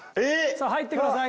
さあ入ってください